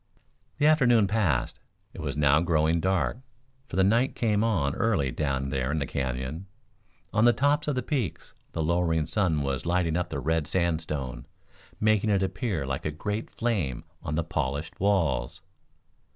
The afternoon passed. It was now growing dark, for the night came on early down there in the Canyon. On the tops of the peaks the lowering sun was lighting up the red sandstone, making it appear like a great flame on the polished walls.